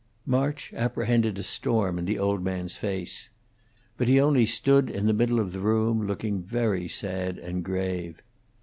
March apprehended a storm in the old man's face. But he only stood in the middle of the room, looking very sad and grave.